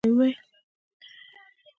د ژوند په وروستیو شېبو کې یاورسکي ته وویل.